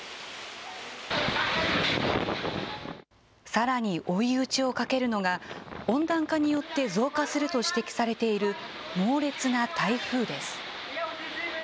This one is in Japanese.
さらに追い打ちをかけるのが、温暖化によって増加すると指摘されている猛烈な台風です。